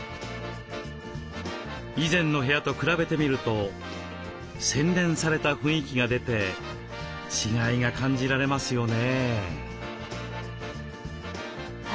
以前の部屋と比べてみると洗練された雰囲気が出て違いが感じられますよね。